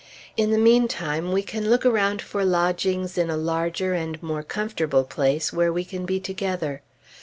In the mean time, we can look around for lodgings in a larger and more comfortable place where we can be together.